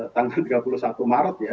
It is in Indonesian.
tanggal tiga puluh satu maret ya